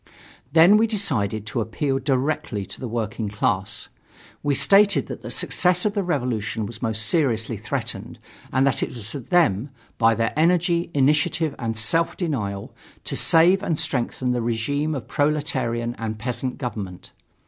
Then we decided to appeal directly to the working class. We stated that the success of the revolution was most seriously threatened, and that it was for them by their energy, initiative, and self denial to save and strengthen the regime of proletarian and peasant government.